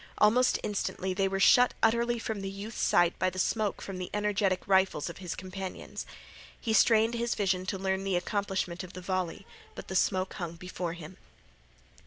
Almost instantly they were shut utterly from the youth's sight by the smoke from the energetic rifles of his companions. He strained his vision to learn the accomplishment of the volley, but the smoke hung before him.